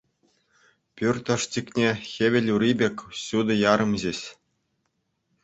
Пӳрт ӑшчикне хӗвел ури пек ҫутӑ ярӑм ҫеҫ.